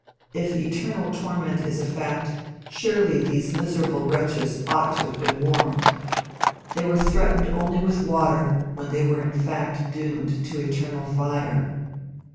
If eternal torment is a fact, surely these miserable wretches ought to have been N warned. They were threatened only with water when they were in fact doomed to eternal fire!